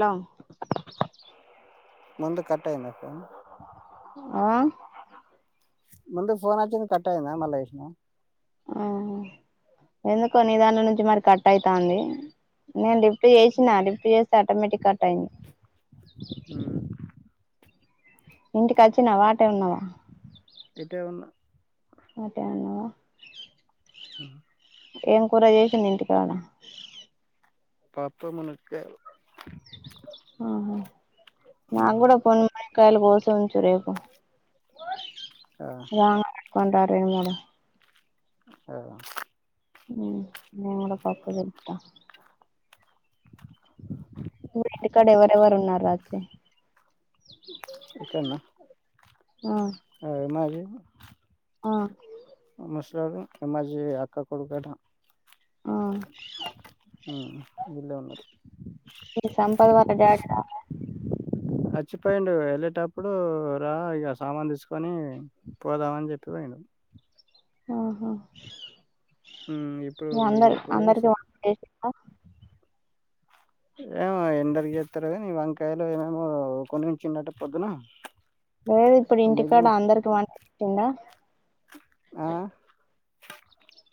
Hello ముందు కట్టైందక్క ఆహ్ ముందు ఫోన్నొచ్చింది కట్టాయిదా మల ఎష్నా ఆహ్ ఎందుకో నీ దాంట్లో నుంచి మరి కట్ అయితాంది నెన్ లీఫ్ ఫ్ట్ చేసినా లిఫ్ట్ జేస్తే ఆటోమేటిక్ కట్ అయింది ఇంటి కోచ్చివా ఆటే ఉన్నావా ఇటే ఉన్న అటే ఉన్నవా ఉమ్ ఏం కూర జేషింది ఇంటికాడ పప్పు మున్నకైలు నా గుడా పొన్ కయాల కోసి ఉంచు రేపు రా కొంటా రెండు మూడు అహ్ ఉమ్ నేను కూడా పప్పు తెప్తా ఇ ఇక్కడ ఎవరెవర్ ఉన్నారు రాత్రి ఒక్కనే ఆ ఏ మరి ఆహ్ ముసలోడు ఎమ్మాజీ అక్క కొడుకంట ఆ ఉమ్ వీళ్ళే ఉన్నరు ఇ సంపాద్ వల డాడీ రాలె చ్చిపోయిడు ఎళ్ళేటప్పుడు రా ఇగ సామాన్ తీసుకొని పోదామని జెప్పిపోయిండు ఆహా మీ అందరి అందరికి వంట చేసిన ఏమో ఎందరి జెతరో గని ఇ వంకాయలు ఏమేమో కొని ఉంచిండంట పొద్దునా లేద్ ఇప్పుడు ఇంటి కాడ అందరికి వంట చెప్పిందా ఆహ్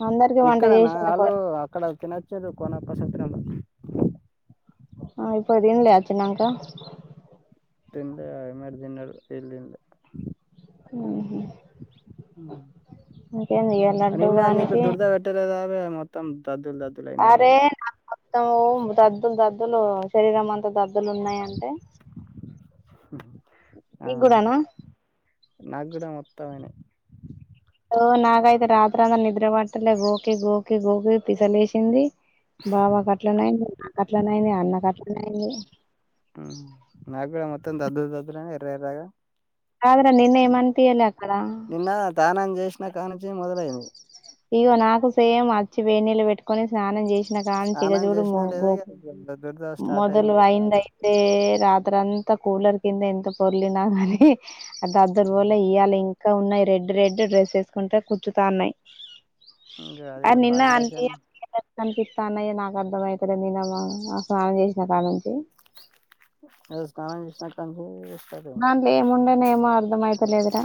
అందరికి వంట ఇక్కడనా చేసిండా కొ ఆళ్ళు అక్కడ తిన్నొచిండ్రు కొన్నొక సపిరంత ఆ ఇప్పుడ్ దింలే ఒచ్చినంక తిన్లే అందర్ దిన్నారు వీల్ దిన్లె ఉహు ఇంకేంది ఇగ ఉమ్ లడ్డు నిన్న నీకు వానికి దురద వెట్టలేదారా మొత్తం దద్దుల్ దద్దులైనై అందరికి త్తం దద్దుల్ దద్దులు శరీరం అంతా దద్దులున్నాయి అంటే ఆ నాగుడా మొత్తమైనై లో నాకైతే రాత్రంగ నిద్ర వట్టలే గోకి గోకి గోకి పిసలేషింది బావక్ అట్లనేయింది నాక్ అట్లనేయింది అన్నక్ అట్లనేయింది మ్మ్ మ్ త్తం దద్దులు దద్దులు అయినయ్ ఎర్ర ఎర్ర గ కాదుర నిన్న ఎం అనిపియలె అక్కడ నాక్ ఆనించే మొదలుయింది ఇగొ నాకు సేమ్ అచ్చి వేనీళ్లు వెట్టుకొని స్నానం జె ఒచ్చినకాంచి ఇగ చూడు మోగొ మొదలు అయిందయితే రాత్రంత కూలర్ కింద ఎంత పొర్లిన గానీ ఆ దద్దురు పొలే ఇయ్యల ఇంక ఇంకా ఉన్నయ్ రెడ్ రెడ్ డ్రెస్ ఏసుకుంటే కుచ్చుతనయ్ అ నిన్న ఆంటి కనిపిత్త అన్నది నాకు అర్ధం అయితలెద్ నెనమా ఆ స్నానం చేశిన కాంచి స్నానం చేసినట్టుంది దాంట్ల ఎం ఉందని ఏం అర్ధం అయితలేద్ర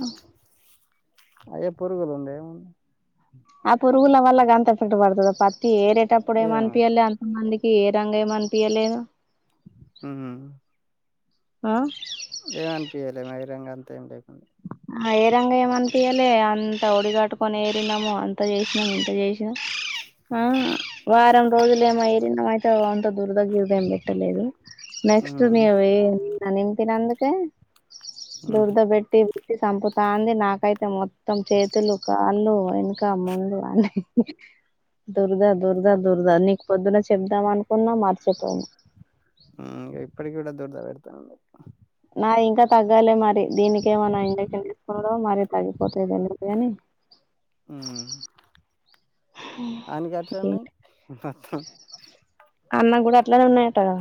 పురుగులుండే ఆ పురుగుల వల్ల గంత ఎట్లఉంటది పత్తి ఏరేటప్పుడేం అనిపియలే ఏరంగ ఎం అనిపియలేదు ఉహుమ్ ఆ ఏం అనిపియలే బహిరంగ అంత ఏం లేకుండె ఆ ఏరంగా ఏమనిపయలె అంత ఒడిగట్టుకొని ఏరినము అంత చేసినము ఇంత చేసినం ఆ వారం రోజులేమో ఎరినం ఐతే వంత్ దుర దురంగ ఏం పెట్టలేదు నెక్స్ట్ మి ఎ అతించినదుక దురద బెట్టి బెట్టి సంపుతాంది నాకైతే మొత్తం చేతులు క వాళ్ళు వెనక ముందు అన్ని దురదా దురదా దురదా నీక్ పొద్దున చెబుదాం అనుకున్న మర్చెపొయిన ఉ ఇప్పటికిగుడ దుర్ద పెడ్తాంది నా ఇంక తగ్గాలే మరి దీనికి ఏమనా ఇంజక్షన్ తీసుకున్నార మరి తగ్గిపోతద అందుకని ఉ ఆనికి అట్లఉన్నయ్ అన్న గుడఅట్లనే ఉన్నయట గ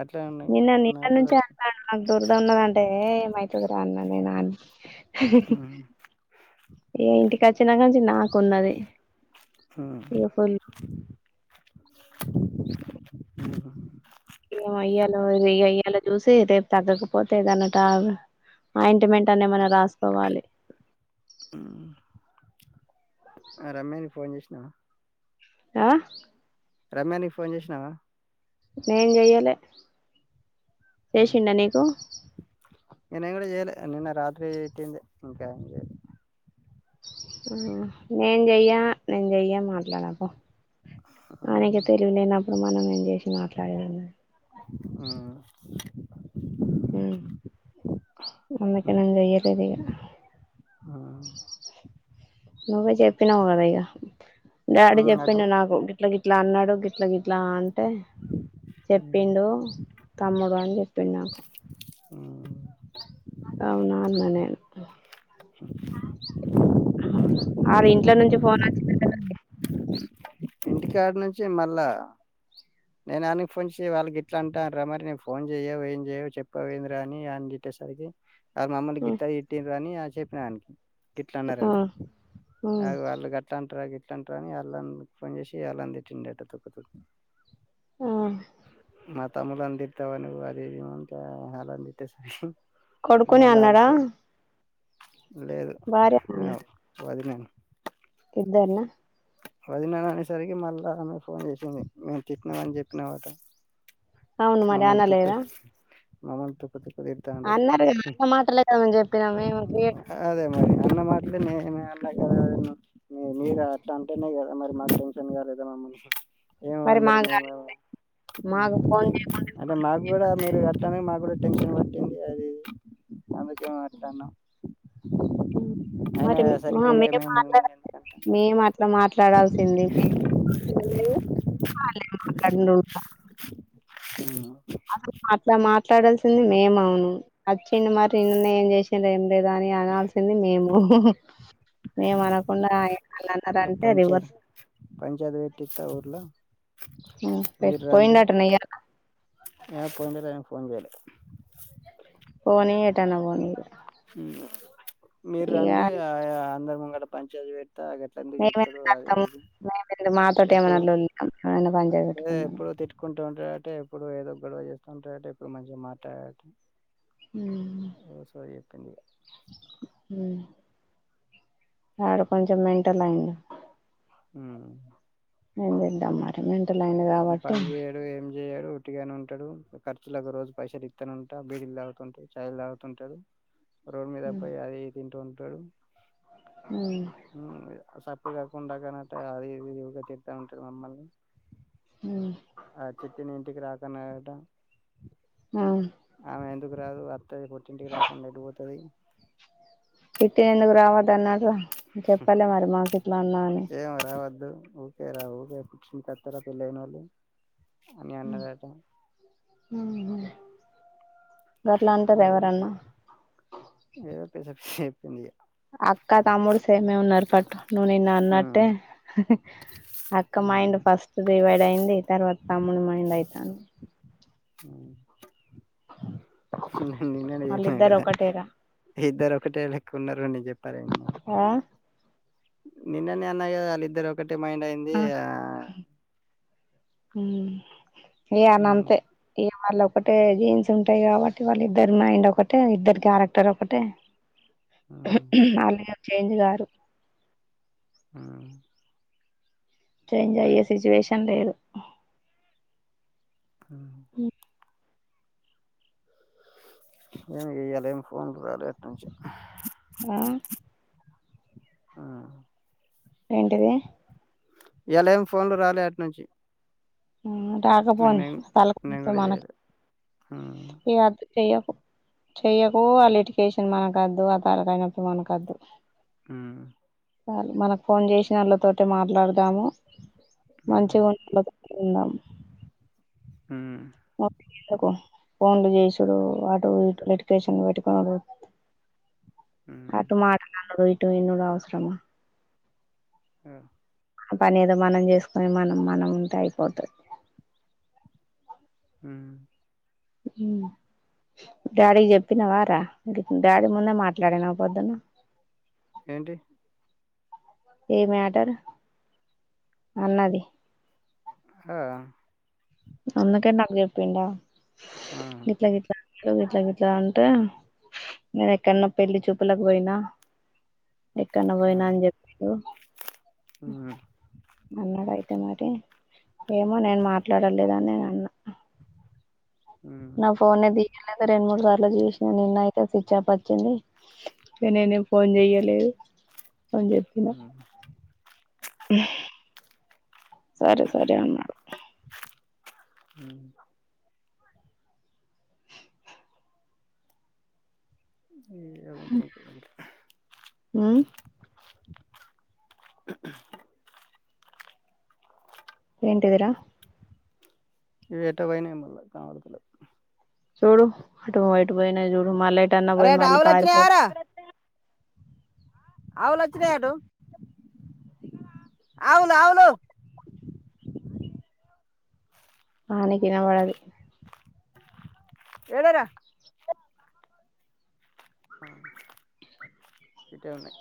అట్లనె ఉ నిన్న నినట్ నుంచి అంటాడు నాకు దూరద ఉన్నదంటే ఏ ఏమైతదిర అన్న నేను ఆని ఇంటికి ఒచ్చినకాంచి నాకున్నది ఇ ఫుల్ [inaudible] దె రేపు తగ్గకపోతే గనక ఆఇంటిమెంట్ ఏం అన రా సుకోవలె అ రమ్యని ఫోన్ చేశినవ ఆ రమ్య నీక్ ఫోన్ చేసినాధ నేన్ చెయ్యలె చేశిండ నీకు నిన్న గుడ చేయలే నిన్న రాత్రి ఏట్టింది ఇంకా ఏం చేయలే హ నేన్ చెయ్యా నేన్ చెయ్య మాట్లాడపొ ఆయనకె తెలివి లేనప్పుడు మనం ఏం చేసి మాట్లాడేదెది [inaudible] అందుకె నేన్ చేయలేద్ ఇగ నువ్వే చెప్పినవ్ గద ఇగ డాడీ చెప్పిండు నాకు గిట్ల గి గిట్ల అన్నడు గిట్లా గిట్లా అంటే చెప్పిండు తమ్ముడు అని చెప్ చేపిన్ నాక్ [inaudible] అవునా అన్న నేన్ ఆలింట్లో నుంచి ఫోన్ వచ్చిందంటకదండి ఇంటికాడ నుంచి మళ్ళా నేను ఆనకి ఫోన్ చేసి వాల్గిట్లా అంటారా మరి నేను ఫోన్ చెయవు ఏం చెయవు చెప్పవేందిరా అని సరికి ఆ మమ్మల్ని గిట్ల తిట్టిర్రు అని చెప్పిన ఆయనకి గిట్లన్నరని అ వాళ్ళు గట్లాంటర గిట్లాంటరా అని వాళ్ ఓపెన్ జేసి ఆలన్ తిట్టిందంట తుక్కు తుక్కు తమ్ములని తీడ్తవా నువు అది ఇది ఆలని తిట్టే సరికి కొడుకునే అన్నాడా భార్య ఎక్కడ ఉంది దన్న వదినా అనేసరికి మళ్ళా ఆమె ఫోన్ చేసింది మేము తిట్టినవని చెప్పినవట అవును మరి అనలేదా మమంటు తుక్కు తుక్కు తిడ్తండు అన్నారు కదా అన్న మాటలే కదా మేము చెప్పినాం మేము క్రియేట్ అదే మరి అన్న మా మీ మీరట్లా అంటేనే కదా మరి మాకు టెన్షన్ కాలేదననమ్ము మరి మా ఏమన్నరు గా- మేము మాకు ఫోన్ చే అంటే మాకూడా మీరు అట్లనే మాకూడా టెన్షన్ పట్టింది అది అందుకే మాట్లాడ్న మర [unintelligible] మేమట్లా మాట్లాడాల్సింది వాళ్లేం మాట్లాడిండు ఉమ్ అసలు అట్లా మాట్లాడాల్సింది మేమను వచ్చింది మరి నిన్న ఏం చేసింది లేదా అని అనాల్సింది మేము మేమ అనకుండా ఆలన్నరంటే రివర్స్ పంచాయత్ పెట్టిస్త ఊర్ల ఉమ్ పెట్ పోయిండటన ఇయాలా ఫోన్ చేయలే పోనీ ఎటన్న వోని ఇగ ఉమ్ మీరండి ఆ అందరి ముంగట పంచాయతీ పె త గట్లెందుకు చెప్తరు అది ఇది తొట్టే ఏమన లొల్లి ఎమైన పంచాయతీ పెట్టుకున్న ఉంటడంటే ఎప్పుడు ఏదో ఒక గొడవ చేస్తా ఉంటడంట ఇప్పుడు మంచిగా మాట్లాడంట ఉమ్ ఉమ్ ఆడు కొంచెం మెంటలయ్యిండు ఉమ్ ఏంచేద్దాం మరి మెంటలయిండు కాబట్టి చేయడు ఒట్టిగనే ఉంటాడు ఖర్చులకు రోజు పైసలిత్తనే ఉంటా బీడిలు తాగుతుంటడు చాయ్లు తాగుతుంటడు రోడ్ మీద ఉమ్ పోయి అది ఇది తింటూ ఉంటడు ఉమ్ స సప్పుడు కాకుండ కనట అది ఇది తిడ్తా ఉంటడు మమ్మల్ని ఉమ్ ఆ చిట్టిని ఇంటికి రాకన్నాడంట ఆ ఆమె ఎందుకు రాదు వత్తది పుట్టింటికి రాకుండా ఎటుపోతది చిట్టే ఎందుకు రావద్దన్నరు చెప్పలే మరి మాకిట్లా అన్నా అని ఓకే రా కొత్తగా పెళ్లైనోళ్ళు ఉమ్ ఉమ్ ఉమ్ గట్లాంటరా ఎవరన్నా ఏదో పిషప్ షేప్ [inaudible] అక్క తమ్ముడు సేమే ఉన్నరు పట్టు నువ్వు నిన్న అన్నట్టే హి హ్ అక్క మైండ్ ఫస్ట్ డివైడయింది తర్వాత తమ్ముడు మైండ్ అయితాంది. ఉమ్ నేన్ నిన్ననే చెప్పినా వాళ్ళిద్దరు గదా ఒకటేరా ఇద్దరు ఒకటే లెక్కున్నరు అని జేప్పరేమో ఆ నిన్ననే అన్న గదా వాళ్ళిద్దరు ఒకటే మైండ్ అయింది ఆ ఉమ్మ్ ఇగ ఆల్లంతే ఇగ వాళ్ళ ఒకటే జీన్స్ ఉంటయి కాబట్టి వాళ్ళిద్దరు మైండ్ ఒకటే ఇద్దరు క్యారెక్టర్ ఒకటే ఉహు ఉహ్ ఆళ్ళిగ చేంజ్ గారు ఉమ్ చేంజ్ అయ్యే సిచువేషన్ లేదు ఉమ్ నేను చెయ్యాలె ఎం ఫోన్లు రాలే అట్నుంచి ఉహ్ ఆ ఆ ఏంటిది? ఇయ్యాల ఏం ఫోన్లు రాలే అట్నుంచి ఉమ్ రాకపోని తలకాయ్ నొప్పి మనకే ఇగ [unintelligible] చెయ్యకు చెయ్యకూ ఆ లిటికేషన్ మనకద్దు ఆ తలకాయ్ నొప్పి మనకద్దు. ఉమ్ సాలు మనకు ఫోన్ చేసిన ఆళ్ళతోటె మాట్లాడదాము మంచిగా ఉందాము ఉందాం వాళ్ళని పిల్వకు [inaudible] ఫోన్లు జేసుడు అటు ఇటు లిటిగేషన్ పెట్టుకునుడు అటు మాట్లాడడు ఇటు వినుడు అవసరమా? ఉమ్ ఆ పని ఏదో మనం చేసుకొని మనం మనం ఉంటె అయిపోతది. ఉమ్ ఉమ్ డాడీకి చెప్పిన వారా? గిట్ డాడీ ముందే మాట్లాడినవా పొద్దున? ఏంటి? ఈ మ్యాటర్ అన్నది. హా అందుకనే నాక్ జెప్పిండా గిట్ల గట్లా అన్ ఒ గిట్ల గిట్లా అంటే నేను ఎక్కన్నో పెళ్ళి చూపులకు పోయినా ఎక్కన్నో పోయినా అని జెప్పిరు అన్నడయితే మరి ఏమో నేను మాట్లాడలేదని అని అన్నా హ్ నా ఫోన్ ఎ దియలేదు రెండు మూడు సార్ల జుషిన నిన్న అయితే స్విచ్ అప్ వచ్చింది నేనె ఫోన్ చెయ్యలేదు అన్ జెప్పినా ఉహ్ సరె సరె అన్నడు ఉమ్ ఏమనుకుంటదో [unintelligible] ఉమ్ ఏంటిదిరా? ఇవి ఏటో పోయినయో మల్ల కనవడ్తలేవ్ ఉహ్ చూడు అటువొ ఎటుపోయినయొ చూడు మల్లెటన్న అరే పోయి మళ్ళీ ఆవులు పారి పోత్ అవ్వుళ్లు వచ్చినాయి అటు అవ్వుళ్లు అవ్వుళ్లు ఆహ్ నీకినవడదు బెగా రా ఇటే ఉన్నాయి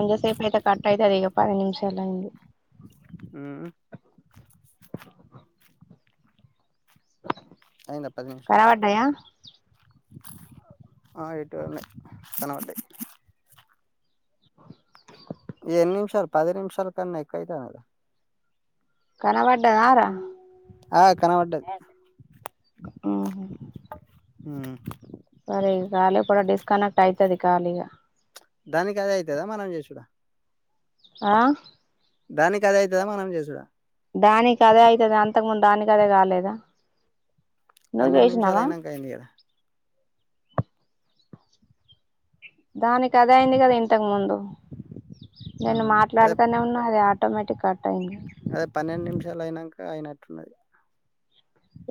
ఇంక సేపైతే కట్ ఐతది ఇగ పది నిమిషాలయింది. అయిందా పది నిమిషాల్ కనబడ్డాయా ఆ ఇటే ఉన్నయ్ కనవడ్డయ్ ఎన్ని నిమిషాల్ పది నిమిషాల్ కన్నా ఎక్కువైతాంది కదా కనవడ్డదార మ్మ్ ఉహ్ ఖాళీగా దానికీ అదే అయ్యితాద మనం జేషుడా ఆహ్ దానికదైతదా మనం జేషుడా దానికదే ఐతది అంతకముందు దానికి అదే గాలేదా పన్నెండ్నిమ్షాల్ ఐనంకా అయింది గదా దానికదే అయింది గదా ఇంతక ముందు నేను మాట్లాడ్తనే ఉన్నా అది అ అటోమాటిక్ కార్ట్ అదే పన్నెండ్నిమ్షాల్ ఐనంకా అయినట్టున్నది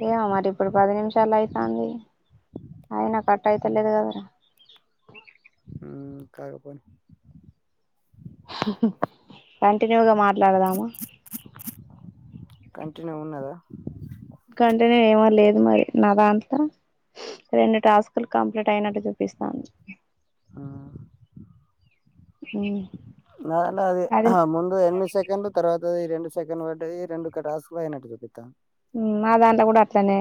ఏమో మరి ఇప్పుడు పది నిమిషాలైతాంది అయినా కట్టయితలేదు కదరా ఉమ్ కా కంటిన్యూగా మాట్లాడదామా కంటిన్యూ ఉన్నదా కంటిన్యూ ఏమో లేదు మరి నా దాంట్ల రెండు టాస్క్ లు కంప్లీట్ అయినట్టు జుపిస్తాంది ఉమ్ నా నా అది ముందు ఎన్మిద్ సెకండ్లు తర్వాతదీ రెండు సెకండ్లు వడ్డయి రెండు క టాస్క్ ల్ఐనట్టు జుపిత్తాంది ఉమ్ మాదాంట్ల గూడట్లనే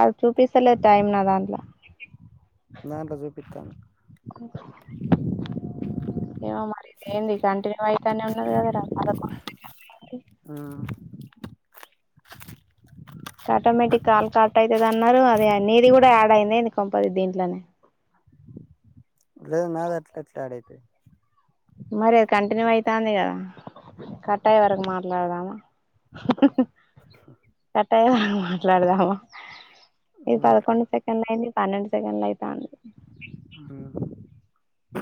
అద్ చూపిస్తలేద్ టైం నా దాంట్ల నా దాన్నిట్లో జూపిత్తాంది ఏమే మరి ఇదేంది కంటిన్యూ ఐతనే ఉన్నది గదరా పదకొండు సెకండ్స్ అయింది హ్ మ్ ఆటోమేటిక్ కాల్ కట్ ఐతదన్నరూ అదే నీది గుడా ఆడ్ ఐందా ఏంది కొంపది దీంట్లనే లేద్ నాదట్లెట్ల ఆడైతది మరి కంటిన్యూ ఐతాంది గదా కట్టయ్యే వరకు మాట్లాడదామా కట్ అయ్యేదాకా మాట్లాడ్దామా ఇది పదకొండు సెకండ్ లయింది పన్నెండు సెకండ్లైతాంది ఆ